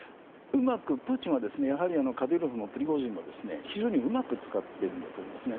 プーチンはカディロフもプリゴジンも非常にうまく使っているんだと思いますね。